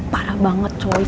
parah banget coy ps